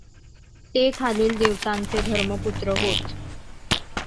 ते खालील देवतांचे धर्मपुत्र होत.